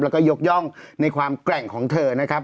แล้วก็ยกย่องในความแกร่งของเธอนะครับ